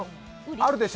あるでしょ？